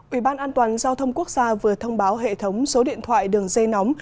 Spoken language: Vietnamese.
ủy ban an toàn giao thông quốc gia vừa thông báo hệ thống số điện thoại đường dây nóng